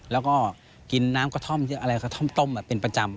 แล้วก็กินน้ำกระท่อมเยอะอะไรกระท่อมต้มเป็นประจำ